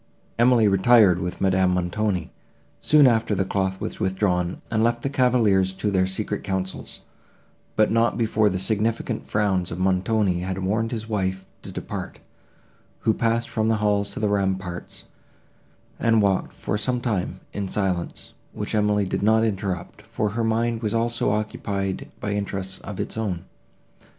Emily retired with Madame Montoni, soon after the cloth was withdrawn, and left the cavaliers to their secret councils, but not before the significant frowns of Montoni had warned his wife to depart, who passed from the hall to the ramparts, and walked, for some time, in silence, which Emily did not interrupt, for her mind was also occupied by interests of its own.